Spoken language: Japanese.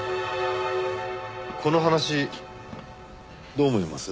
この話どう思います？